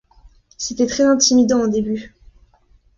C'était très intimidant au début.